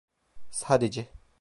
Sadece